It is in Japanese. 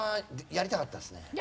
やりたかったです。